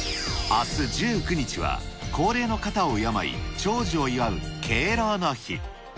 あす１９日は、高齢の方を敬い、長寿を祝う敬老の日。